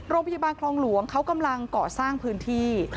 โรงพยาบาลคลองหลวงเขากำลังก่อสร้างพื้นที่